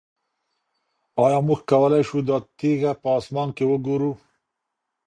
آیا موږ کولی شو دا تیږه په اسمان کې وګورو؟